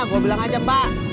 gua bilang aja mbak